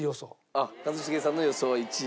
あっ一茂さんの予想は１位。